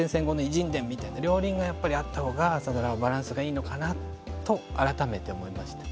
伝みたいな両輪がやっぱりあった方が、朝ドラはバランスがいいのかなと改めて思いました。